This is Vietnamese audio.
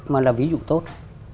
mà là ví dụ tốt